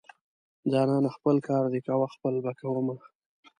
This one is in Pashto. جانانه خپل کار دې کوه خپل به کوومه.